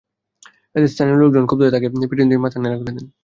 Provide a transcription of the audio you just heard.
এতে স্থানীয় লোকজন ক্ষুব্ধ হয়ে তাঁকে পিটুনি দিয়ে মাথা ন্যাড়া করে দেন।